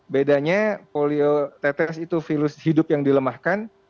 bedanya poliotetes itu virus hidup yang dilemahkan